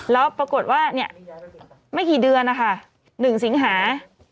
แล้วปรากฏว่าไม่กี่เดือนนะคะ๑สิงหา